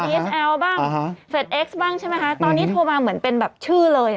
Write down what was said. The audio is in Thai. เอสแอลบ้างเฟสเอ็กซ์บ้างใช่ไหมคะตอนนี้โทรมาเหมือนเป็นแบบชื่อเลย